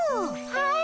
はい。